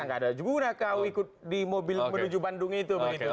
nggak ada juga nakal ikut di mobil menuju bandung itu